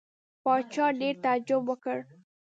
پاچا ډېر تعجب وکړ.